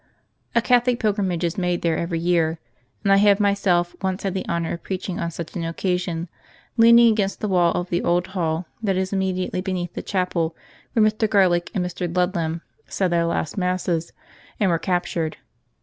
A Catholic pilgrimage is made there every year; and I have myself once had the honour of preaching on sruch an occasion, leaning against the wall of the old hall that is immediately beneath the chapel where Mr. Garlick and Mr. Ludlam said their last masses, and were cap tured.